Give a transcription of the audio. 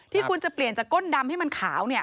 ที่คุณจะเปลี่ยนจากก้นดำให้มันขาว